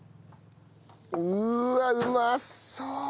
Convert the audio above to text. うわっうまそう！